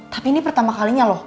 tapi ini pertama kalinya loh